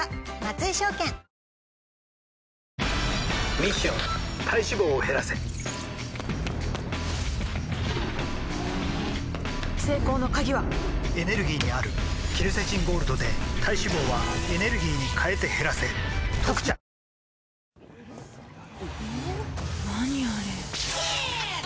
ミッション体脂肪を減らせ成功の鍵はエネルギーにあるケルセチンゴールドで体脂肪はエネルギーに変えて減らせ「特茶」行ってください。